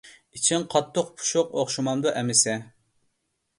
ئىچىڭ قاتتىق پۇشۇق ئوخشىمامدۇ ئەمىسە.